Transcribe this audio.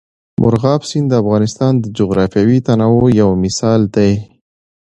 مورغاب سیند د افغانستان د جغرافیوي تنوع یو مثال دی.